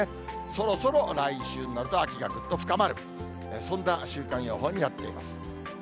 そろそろ来週になると、秋がぐっと深まる、そんな週間予報になっています。